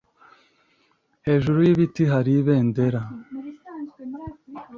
Hejuru y'ibiti hari ibendera.